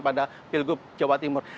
pada jawa timur